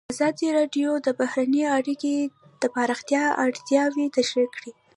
ازادي راډیو د بهرنۍ اړیکې د پراختیا اړتیاوې تشریح کړي.